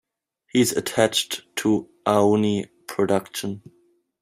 He is attached to Aoni Production.